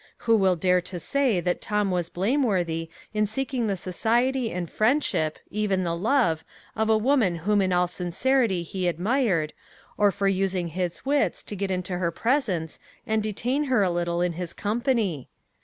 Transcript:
who will dare to say that Tom was blameworthy in seeking the society and friendship, even the love, of a woman whom in all sincerity he admired, or for using his wits to get into her presence, and detain her a little in his company?